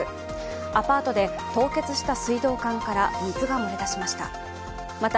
アパートで凍結した水道管から水が漏れ出しました。